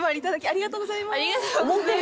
ありがとうございます。